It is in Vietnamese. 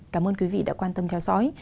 cảm ơn quý vị đã quan tâm theo dõi